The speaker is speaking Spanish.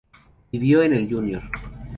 Vivió en el Jr.